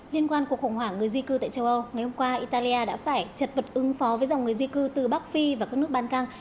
liên quan cuộc khủng hoảng người di cư tại châu âu ngày hôm qua italia đã phải chật vật ứng phó với dòng người di cư từ bắc phi và các nước ban căng